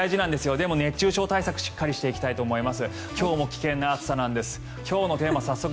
でも熱中症対策しっかりしていきたいと思います。